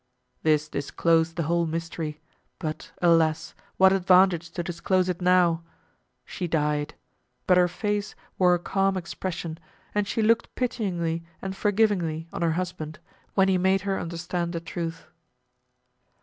This disclosed the whole mystery: but alas! what advantage to disclose it now! She died; but her face wore a calm expression, and she looked pityingly and forgivingly on her husband when he made her understand the truth.